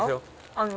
あの。